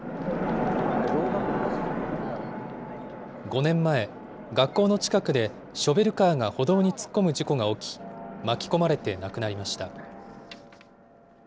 ５年前、学校の近くでショベルカーが歩道に突っ込む事故が起き、巻き込まれて亡くなりました。